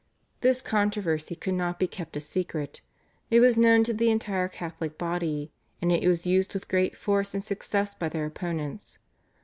This controversy could not be kept a secret. It was known to the entire Catholic body, and it was used with great force and success by their opponents.